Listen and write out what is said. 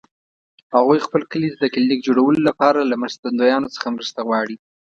هغوی خپل کلي ته د کلینیک جوړولو لپاره له مرستندویانو څخه مرسته غواړي